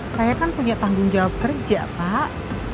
saya kan punya tanggung jawab kerja pak